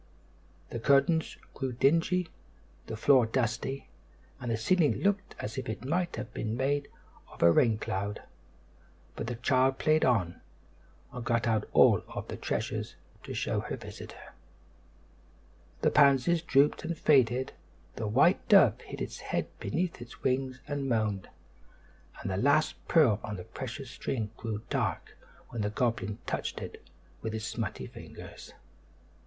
The curtains grew dingy, the floor dusty, and the ceiling looked as if it might have been made of a rain cloud; but the child played on, and got out all her treasures to show to her visitor. The pansies drooped and faded, the white dove hid its head beneath its wing and moaned; and the last pearl on the precious string grew dark when the goblin touched it with his smutty fingers.